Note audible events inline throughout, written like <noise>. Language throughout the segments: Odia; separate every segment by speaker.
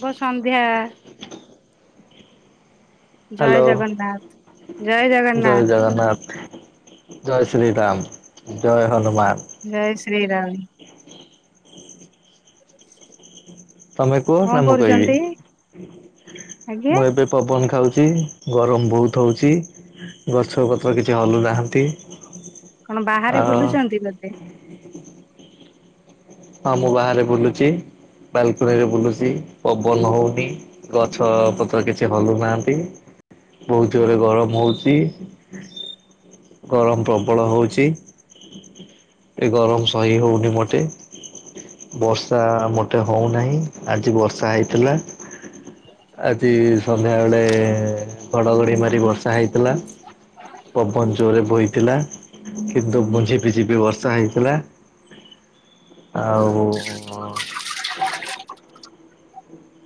Speaker 1: ଶୁଭ ସନ୍ଧ୍ୟା।
Speaker 2: <inaudible>
Speaker 1: ଜୟ
Speaker 2: ହାଲୋ।
Speaker 1: ଜଗନ୍ନାଥ ଜୟ
Speaker 2: ଜଏ
Speaker 1: ଜଗନ୍ନାଥ
Speaker 2: ଜଗନ୍ନାଥ। ଶ୍ରୀରାମ, ଜଏ ହନୁମାନ।
Speaker 1: ଶ୍ରୀ ରାମ।
Speaker 2: ତମେ କୁହ,
Speaker 1: କଣ
Speaker 2: ନା ମୁଁ କହିବି।
Speaker 1: କରୁଛନ୍ତି
Speaker 2: ମୁଁ
Speaker 1: ଆଜ୍ଞା
Speaker 2: ଏବେ ପବନ ଖାଉଛି। ଟି ଗରମ ବହୁତ ହଉଚି। ଗଛପତ୍ର କିଛି ହଲୁନାହାଁନ୍ତି।
Speaker 1: କଣ ବାହାରେ ବୁଲୁଚନ୍ତି ବୋଧେ।
Speaker 2: ହଁ ମୁଁ ବାହାରେ ବୁଲୁଚି। ବାଲକୁନିରେ ବୁଲୁଚି। ପବନ ହଉନି। ଗଛ ପତ୍ର କିଛି ହଲୁନାହାନ୍ତି। ବହୁତ ଜୋରରେ ଗରମ ହଉଚି। ଗରମ ପ୍ରବଳ ହଉଚି। ଏ ଗରମ ସହି ହଉନି ମୋଟେ। ବର୍ଷା ମୋଟେ ହଉନାହିଁ। ଆଜି ବର୍ଷା ହେଇଥିଲା। ଆଜି ସନ୍ଧ୍ୟା ବେଳେ, ଘଡଘଡି ମାରି ବର୍ଷା ହେଇଥିଲା। ପବନ ଜୋରରେ ବୋହିଥିଲା। କିନ୍ତୁ ଝିପିଝିପି ବର୍ଷା ହେଇଥିଲା। ଆଉ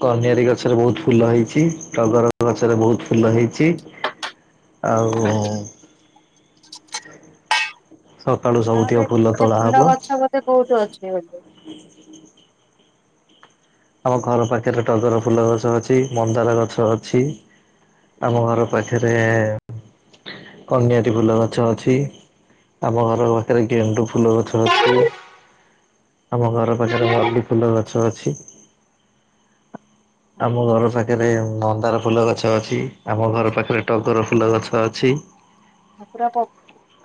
Speaker 2: କନିଆରୀ ଗଛରେ ବହୁତ ଫୁଲ ହେଇଛି। ଟଡଗର ଗଛରେ ବହୁତ ଫୁଲ ହେଇଛି। ଆଉ ସକାଳୁ
Speaker 1: ହଁ
Speaker 2: ସବୁ
Speaker 1: ବୋଧେ ଫୁଲ ଗଛ ବୋଧେ ବହୁତ ଅଛି ବୋଲି
Speaker 2: ଆମ ଘର ପାଖରେ ଟଗର ଫୁଲ ଗଛ ଅଛି। ମନ୍ଦାର ଗଛ ଅଛି। ଆମ ଘର ପାଖରେ, କନିଆରି ଫୁଲ ଗଛ ଅଛି। ଆମ ଘର ପାଖରେ ଗେଣ୍ଡୁ ଫୁଲ ଗଛ ଅଛି। ଆମ ଘରପାଖରେ ମଲ୍ଲି ଫୁଲ ଗଛ ଅଛି। ଆମ ଘର ପାଖରେ, ମନ୍ଦାର ଫୁଲ ଗଛ ଅଛି। ଆମ ଘର ପାଖରେ ଟଗର ଫୁଲ ଗଛ ଅଛି।
Speaker 1: ପୁରା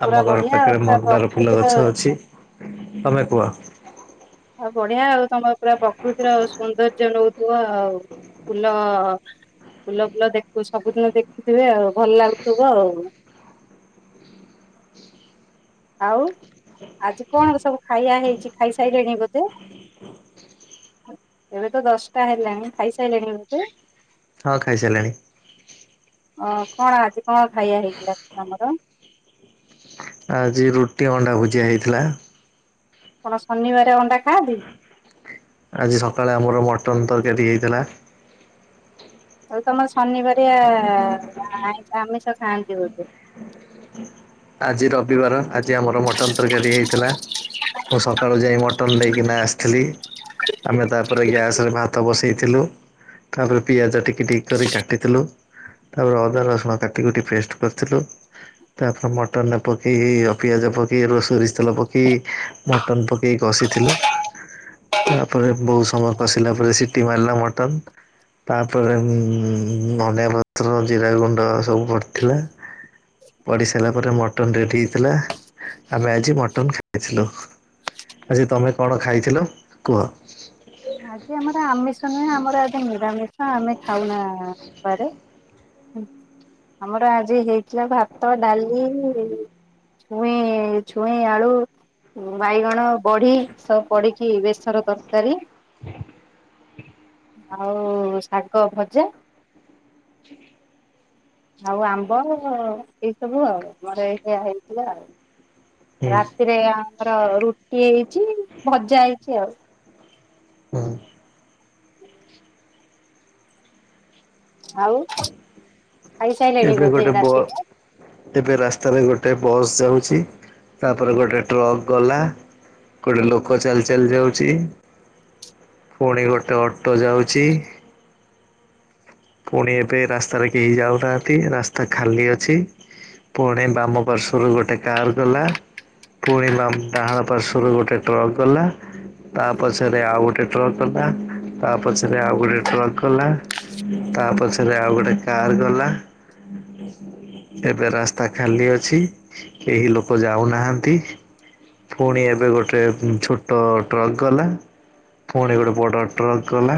Speaker 1: ପୁରା
Speaker 2: ଆମ ଘର
Speaker 1: ବଢିଆ ଆଉ
Speaker 2: ପାଖରେ
Speaker 1: ପୁରା
Speaker 2: ମନ୍ଦାର ଫୁଲ
Speaker 1: ପ୍ରକୃତିର
Speaker 2: ଗଛ ଅଛି। ତମେ କୁହ
Speaker 1: ଆଉ ବଢିଆ ଆଉ। ତମର ପୁରା ପ୍ରକୃତିର ଆ ସୌନ୍ଦର୍ଯ୍ୟ ନଉ ତୁ ଆଉ ଫୁଲ ଫୁଲ ଫୁଲ ଦେଖୁ ସବୁଦିନ ଦେଖୁଥିବେ ଆଉ। ଭଲ ଲାଗୁଥିବ ଆଉ।
Speaker 2: <inaudible>
Speaker 1: ଆଉ, ଆଜି କଣ ସବୁ ଖାଇବା ହେଇଛି ଖାଇସାରିଲେଣି ବୋଧେ। ଏବେ ତ ଦଶଟା ହେଲାଣି ଖାଇସାରିଲାଣି ବୋଧେ
Speaker 2: ହଁ ଖାଇସାରିଲାଣି।
Speaker 1: ଅ କଣ ଆଜି କଣ ଖାଇଆ ହେଇଥିଲା ତମର?
Speaker 2: ଆଜି ରୁଟି, ଅଣ୍ଡା ଭୁଜିଆ ହେଇଥିଲା।
Speaker 1: ଆପଣ ଶନିବାର ଅଣ୍ଡା ଖାଆନ୍ତି?
Speaker 2: ଆଜି ସକାଳେ ଆମର ମଟନ ତରକାରୀ ହେଇଥିଲା।
Speaker 1: ଆଉ ତମ ଶନିବାରିଆ ଆଇଁ ଆମିଷ ଖାଆନ୍ତି ବୋଧେ।
Speaker 2: ଆଜି ରବିବାର ଆଜି ଆମର ମଟନ ତରକାରୀ ହେଇଥିଲା। ମୁଁ ସକାଳୁ ଯାଇ ମଟନ ନେଇକିନା ଆସିଥିଲି। ଆମେ ତାପରେ ଗ୍ୟାସରେ ଭାତ ବସେଇଥିଲୁ। ତାପରେ ପିଆଜ ଟିକି ଟିକି କରି କାଟିଥିଲୁ। ତାପରେ ଅଦା, ରସୁଣ କାଟିକୁଟି ପେଷ୍ଟ କରିଥିଲୁ ତାପ ମଟନ ପକେଇ ପିଆଜ ପକେଇ ସୋରିଷତେଲ ପକାଇ ମଟନ୍ ପକେଇ କଷିଥିଲୁ। ତାପରେ ବୋହୁତ ସମୟ କଷିଲା ପରେ ସିଟି ମାରିଲା ମଟନ। ତାପରେ ଉଁ ଧନଆ ପତ୍ର ଜିରା ଗୁଣ୍ଡ ସବୁ ପଡିଥିଲା। ପଡି ସାରିଲା ପରେ ମଟନ ରେଡି ହେଇଥିଲା ଆମେ ଆଜି ମଟନ ଖାଇଥିଲୁ। ଆଜି ତମେ କଣ ଖାଇଥିଲ କୁହ?
Speaker 1: ଆଜି ଆମର ଆମିଷ ନୁହେଁ ଆମର ଆଜି ନିରାମିଷ ଆମେ ଖାଉନା ରବିବାରେ। ଆମର ଆଜି ହେଇଥିଲା ଭାତ ଡାଲି ଛୁଇଁ ଛୁଇଁ ଆଳୁ ବାଇଗଣ ବଢି ସବୁ ପଢିକି ବେସର ତରକାରୀ।
Speaker 2: ହ
Speaker 1: ଆଉ ଶାଗ ଭଜା। ଆଉ ଆମ୍ବ ଏଇ ସବୁ ଆଉ ଆମର ଏଇଆ ହେଇଥିଲା ଆଉ।
Speaker 2: ହୁଁ
Speaker 1: ରାତିରେ ଆମର ରୁଟି ହେଇଚି ଭଜା ହେଇଚି ଆଉ।
Speaker 2: ‌ହୁଁ।
Speaker 1: ଆଉ ଖାଇସାରିଲେଣି
Speaker 2: ଏବେ
Speaker 1: ବୋଧେ
Speaker 2: ଗୋଟେ ବ
Speaker 1: ରାତିରେ?
Speaker 2: ଏବେ ରାସ୍ତାରେ ଗୋଟେ ବସ୍ ଯାଉଚି ତାପରେ ଗୋଟେ ଟ୍ରକ୍ ଗଲା। ଗୋଟେ ଲୋକ ଚାଲି ଚାଲି ଯାଉଚି। ଫୁଣି ଗୋଟେ ଅଟୋ ଯାଉଚି। ଫୁଣି ଏବେ ରାସ୍ତାରେ କେହି ଯାଉନାହାନ୍ତି ରାସ୍ତା ଖାଲି ଅଛି। ଫୁଣି ବାମ ପାର୍ଶ୍ୱରୁ ଗୋଟେ କାର ଗଲା। ଫୁଣି ବାମ୍ ଡାହାଣ ପାର୍ଶ୍ୱରୁ ଗୋଟେ ଟ୍ରକ ଗଲା। ତାପଛରେ ଆଉ ଗୋଟେ ଟ୍ରକ୍ ଗଲା ତା ପଛରେ ଆଉ ଗୋଟେ ଟ୍ରକ୍ ଗଲା। ତାପଛରେ ଆଉ ଗୋଟେ କାର ଗଲା। ଏବେ ରାସ୍ତା ଖାଲି ଅଛି କେହି ଲୋକ ଯାଉନାହାନ୍ତି। ଫୁଣି ଏବେ ଗୋଟେ ଛୋଟ ଟ୍ରକ ଗଲା। ଫୁଣି ଗୋଟେ ବଡ ଟ୍ରକ ଗଲା।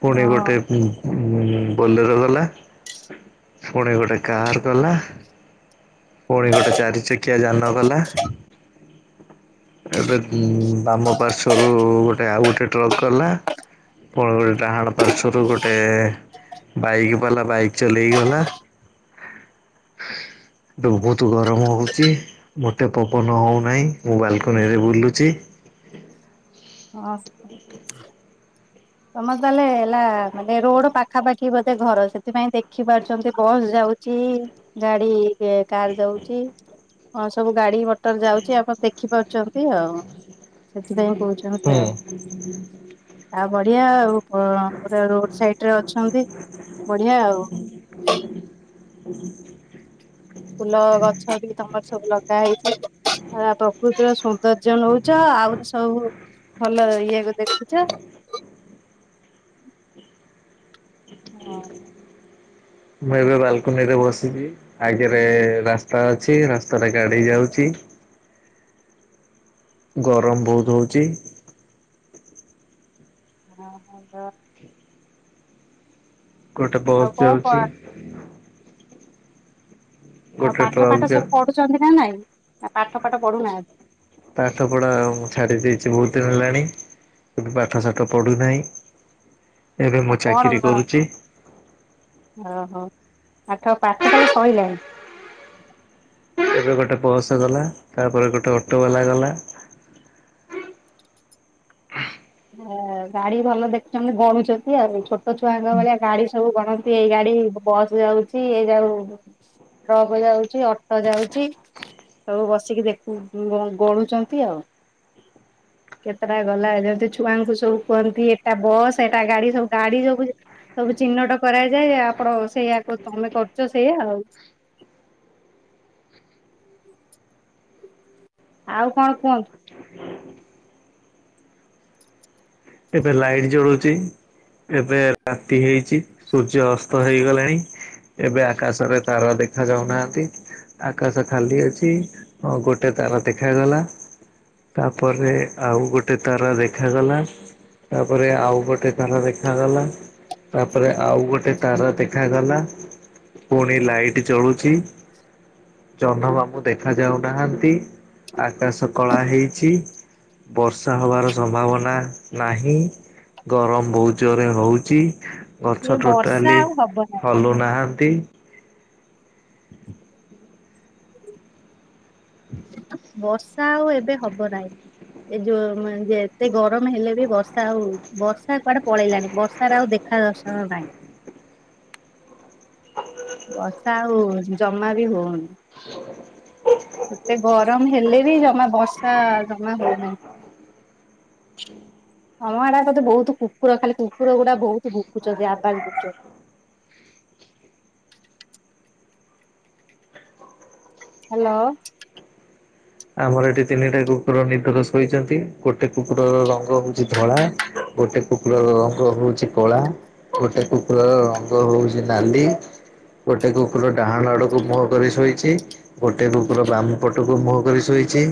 Speaker 2: ଫୁଣି ଗୋଟେ
Speaker 1: ହଁ
Speaker 2: ଫୁ ଫୁଁ ବୋଲେର ଗଲା ଫୁଣି ଗୋଟେ କାର୍ ଗଲା। ଫୁଣି ଗୋଟେ ଚାରିଚକିଆ ଯାନ ଗଲା। ଏବେ ବାମ ପାର୍ଶ୍ଵରୁ ଗୋଟେ ଆଉ ଗୋଟେ ଟ୍ରକ ଗଲା। ପ ଡାହାଣ ପାର୍ଶ୍ଵରୁ ଗୋଟେ ବାଇକ୍ ବାଲା ବାଇକ୍ ଚଲେଇ ଗଲା। ବୋହୁତ ଗରମ ହେଉଚି ମତେ ପବନ ହଉନାହିଁ ମୁଁ ବାଲକୋନିରେ ବୁଲୁଚି। ହୁଁ
Speaker 1: ହଁ ସତ ତମର ତାହେଲେ ହେଲା ମାନେ ରୋଡ ପାଖାପାଖି ବୋଧେ ଘର ସେଥିପାଇଁ ଦେଖି ପାରୁଚନ୍ତି ବସ୍ ଯାଉ ଚି ଗାଡି କାର ଯାଉଛି ହଁ ସବୁ ଗାଡି ମଟର ଯାଉଛି ଆପଣ ଦେଖିପାରୁ ଆଉ ସେଥିପାଇଁ
Speaker 2: ହୁଁ
Speaker 1: କହୁଛନ୍ତି ଆଉ ଆଉ ବଢ଼ିଆ ଆଉ ପ-ପୁରା ରୋଡ଼ ସାଇଡ଼ରେ ଅଛନ୍ତି ବଢ଼ିଆ ଆଉ। ଫୁଲ ଗଛ ବି ତମର ସବୁ ଲଗା ହେଇଛି। ଆ ପ୍ରକୃତିର ସୌନ୍ଦର୍ଯ୍ୟ ନଉଛ ଆହୁରି ସବୁ ଭଲ ଇଏକୁ ଦେଖୁଛ।
Speaker 2: ହ
Speaker 1: ହଁ।
Speaker 2: ମୁଁ ଏବେ ବାଲକୁନିରେ ବସିଛି ଆଗରେ ରାସ୍ତା ଅଛି ରାସ୍ତାରେ ଗାଡି ଯାଉଛି। ହ ଗରମ ବହୁତ ହଉଚି।
Speaker 1: ଆଉ ଘର
Speaker 2: ଗୋଟେ ବସ୍
Speaker 1: କଣ କ
Speaker 2: ଯାଉଛି।
Speaker 1: ଆଉ
Speaker 2: ଗୋଟେ
Speaker 1: ପାଠ
Speaker 2: ଟ୍ରକ୍
Speaker 1: ଫାଠ
Speaker 2: ଯାଉ
Speaker 1: ସବୁ ପଢୁଛନ୍ତି ନା ନାଇଁ ଆ ପାଠ ଫାଠ ପଡ଼ୁନାହାନ୍ତି।
Speaker 2: ପାଠ ପଢା ମୁଁ ଛାଡି ଦେଇଛି ବହୁତ ଦିନ ହେଲାଣି। ଏବେ ପାଠସାଠ ପଢ଼ୁନାହିଁ। ଏବେ
Speaker 1: ଆଉ
Speaker 2: ମୁଁ ଚାକିରୀ
Speaker 1: କଣ
Speaker 2: କରୁଛି।
Speaker 1: ଓହୋ ଆଠ ପାଠ ତାହଲେ ସଇଲାଣି।
Speaker 2: ଏବେ ଗୋଟେ ବସ୍ ଗଲା, ତାପରେ ଗୋଟେ ଅଟୋ ବାଲା ଗଲା। <unintelligible>
Speaker 1: ଗାଡି ଭଲ ଦେଖୁଛନ୍ତି ଗଣୁଛନ୍ତି ଆଉ ଛୋଟ ଛୁଆଙ୍କ ଭଳିଆ ଗାଡି ସବୁ ଗଣନ୍ତି ଏଇ ଗାଡି ବସ୍ ଯାଉଛି ଏଇ ଯାଉ ଟ୍ରକ ଯାଉଛି ଅଟୋ ଯାଉଛି। ସବୁ ବସିକି ଦେଖୁ ଗଣୁଛନ୍ତି ଆଉ। କେତେଟା ଗଲା ଏ <unintelligible> ଛୁଆଙ୍କୁ ସବୁ କୁହନ୍ତି ଏଟା ବସ୍ ଏଟା ଗାଡି ସବୁ ଗାଡି ସବୁ ସବୁ ଚିହ୍ନଟ କରାଯାଏ ଆ ଆପଣ ସେଇଆକୁ ତମେ କରୁଛ ସେଇଆ ଆଉ
Speaker 2: <unintelligible>
Speaker 1: ଆଉ କଣ କୁହନ୍ତୁ?
Speaker 2: ଏବେ ଲାଇଟ୍ ଜଳୁଛି, ଏବେ ରାତି ହେଇଛି ସୂର୍ଯ୍ୟ ଅ ସ୍ତ ହେଇଗଲାଣି ଏବେ ଆକାଶରେ ତାରା ଦେଖା ଯାଉନାହାନ୍ତି। ଆକାଶ ଖାଲି ଅଛି ଗୋଟେ ତାରା ଦେଖାଗଲା। ତାପରେ ଆଉ ଗୋଟେ ତାରା ଦେଖାଗଲା। ତାପରେ ଆଉ ଗୋଟେ ତାରା ଦେଖାଗଲା, ତାପରେ ଆଉ ଗୋଟେ ତାରା ଦେଖ ଗଲା ପୁଣି ଲାଇଟ୍ ଜଳୁଛି। ଜହ୍ନମାମୁଁ ଦେଖା ଯାଉ ନାହାନ୍ତି, ଆକାଶ କଳା ହେଇଛି। ବର୍ଷା ହବାର ସମ୍ଭାବନା। ନାହିଁ, ଗରମ ବହୁତ ଜୋରରେ ହଉଛି।
Speaker 1: ଏ
Speaker 2: ଗଛ
Speaker 1: ବର୍ଷା
Speaker 2: ଟୋଟାଲି
Speaker 1: ଆଉ ହବ ନାହିଁ
Speaker 2: ହଲୁ ନାହାନ୍ତି। ହଁ <unintelligible>
Speaker 1: ବର୍ଷା ଆଉ ଏବେ ହବ ନାହିଁ। ଏ ଯୋଉେ ଯେ ଏତେ ଗରମ ହେଲେ ବି ବର୍ଷା ଆଉ ବର୍ଷା କୁଆଡେ ପଳେଇଲାଣି, ବର୍ଷାାରେ ଆଉ ଦେ ଖା ଦର୍ଶନ ନାହିଁ।
Speaker 2: <unintelligible>
Speaker 1: ବର୍ଷା ଆଉ ଜମା ବି ହଉନି। ଏତେ ଗରମ ହେଲେ ବି ଜମା ବର୍ଷା ଜମା ହଉନାହିଁ।
Speaker 2: ହଁ।
Speaker 1: ହଁମ ଆଡା ବହୁତ କୁକୁର ଖାଲି କୁକୁର ଗୁଡା ବହୁତ ଭୁକୁଛନ୍ତି ଆବାଜ କରୁଛନ୍ତି।
Speaker 2: <unintelligible>
Speaker 1: ହ୍ୟାଲୋ।
Speaker 2: ଆମର ଏଠି ତିନିଟା କୁକୁର ନିଦର ଶୋଇଛନ୍ତି। ଗୋଟେ କୁକୁରର ରଙ୍ଗ ହଉଛି ଧଳା। ଗୋଟେ କୁକୁର ରଙ୍ଗ ହଉଚି କଳା। ଗୋଟେ କୁକୁର ର ରଙ୍ଗ ହଉଚି ନାଲି। ଗୋଟେ କୁକୁର ଡାହାଣ ଆଡକୁ ମୁହଁ କରି ଶୋଇଚି। ଗୋଟେ କୁକୁର ବାମ ପଟକୁ ମୁହଁ କରି ଶୋଇଚି।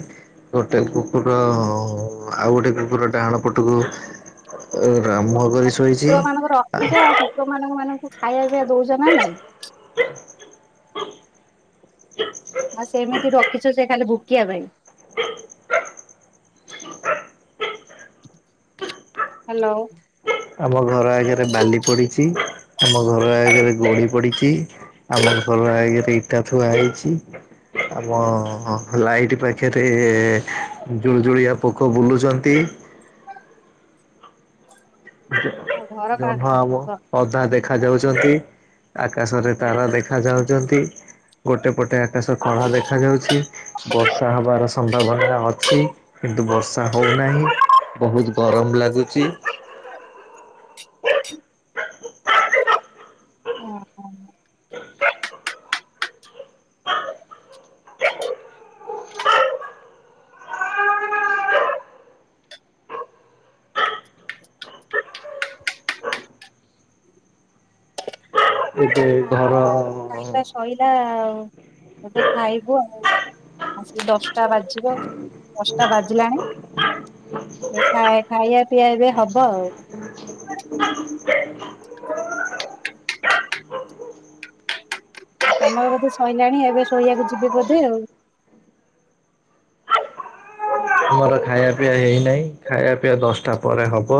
Speaker 2: ଗୋଟେ କୁକୁର ଆଉ ଗୋଟେ କୁକୁର ଡାହାଣ ପଟକୁ ମୁହଁ
Speaker 1: ଆ
Speaker 2: କରି ଶୋଇଛି।
Speaker 1: କୁକୁର ମାନଙ୍କୁ ରଖିଛ ଆଉ କୁକୁର ମାନଙ୍କୁ ମାନଙ୍କୁ। ଖାଇବା ପିଇବା ଦଉଚ ନା ନାଇଁ?
Speaker 2: <unintelligible>
Speaker 1: ଆଉ ସେମିତି ରଖିଚ ସେ ଖାଲି ଭୋକିଆ ପାଇଁ। ହାଲୋ।
Speaker 2: ଆମ ଘର ଆଗରେ ବାଲି ପଡ଼ିଚି। ଆମ ଘର ଆଗରେ ଗୋଡି ପଡିଚି। ଆମ ଘର ଆଗରେ ଇଟା ଥୁଆ ହେଇଚି। ଆବ ହଁ ହଁ। ଲାଇଟ୍ ପାଖରେ ଜୁଳୁଜୁଳିଆ ପୋକ ବୁଲୁଛନ୍ତି।
Speaker 1: ଆଉ ଘର କା
Speaker 2: ଜହ୍ନ ଆମ ଅଧା ଦେଖା ଯାଉଛନ୍ତି। ଆକାଶରେ ତାରା ଦେଖାଯାଉଛନ୍ତି। ଗୋଟେ ପଟେ ଆକାଶ କଳା ଦେଖାଯାଉଛି। ବର୍ଷା ହବାର ସମ୍ଭାବନା ଅଛି କିନ୍ତୁ ବର୍ଷା ହଉନାହିଁ। ବହୁତ ଗରମ ଲାଗୁଛି।
Speaker 1: ଓ ହୋ।
Speaker 2: ଏବେ
Speaker 1: ଆମର ଏବେ
Speaker 2: ଘର
Speaker 1: ଖାଇଲା ଶୋଇଲା ଆଉ। ଏବେ ଖାଇବୁ ଆଉ। ଆସ ଦଶଟା ବାଜିବ। ଦଶଟା ବାଜିଲାଣି। ଏ ଖାଇବା ପିଇଆ ଏବେ ହବ ଆଉ।
Speaker 2: <unintelligible>
Speaker 1: ତମର ବୋଧେ ସଇଲାଣି ଏବେ ଶୋଇବାକୁ ଯିବି ବୋଧେ ଆଉ।
Speaker 2: ଆମର ଖାଇବା ପିଇବା ହେଇନାହିଁ। ଖାଇବା ପିଇବା ଦଶଟା ପରେ ହବ।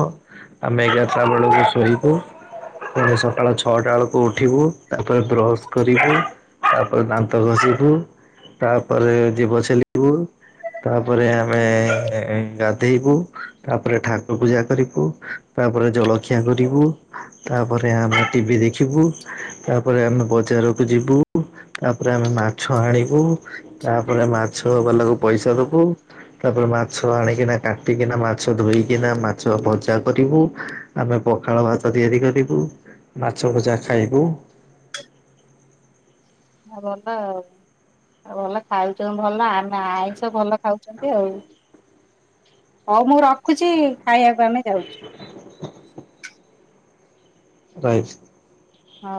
Speaker 2: ଆମେ ଏଗାରଟା ବେଳକୁ ଶୋଇବୁ ସକାଳ ଛଅଟା ବେଳକୁ ଉଠିବୁ। ତାପରେ ବ୍ରଶ କରିବୁ। ତାପରେ ଦାନ୍ତ ଘଷିବୁ। ତାପରେ ଜୀବ ଛେଲିବୁ। ତାପରେ ଆମେ ଗାଧେଇବୁ, ତାପରେ ଠାକୁର ପୂଜା କରିବୁ, ତାପରେ ଜଳଖିଆ କରିବୁ। ତାପରେ ଆମେ ଟିଭି ଦେଖିବୁ, ତାପରେ ଆମେ ବଜାରକୁ ଯିବୁ, ତାପରେ ଆମେ ମାଛ ଆଣିବୁ ତାପରେ ମାଛ ବାଲାକୁ ପଇସା ଦବୁ, ତାପରେ ମା ମାଛ ଆଣିକିନା କାଟିକିନା ମାଛ ଧୋଇକିନା ମାଛ ଭଜା କରିବୁ। ଆମେ ପଖାଳ ଭାତ ତିଆରି କରିବୁ ମାଛ ଭଜା ଖାଇବୁ।
Speaker 1: ଭଲ ଆଉ, ଆଉ ଭଲ ଖାଉଛନ୍ତି ଭଲ ଆ ନା ଆଇଷ ଭଲ ଖାଉଛନ୍ତି ଆଉ। ହଉ ମୁଁ ରଖୁଛି। ଖାଇବାକୁ ଆମେ ଯାଉଛୁ।
Speaker 2: ରାଇ୍ <unintelligible>
Speaker 1: ହଉ।